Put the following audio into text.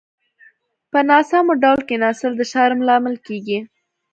په ناسمو ډول کيناستل د شرم لامل کېږي.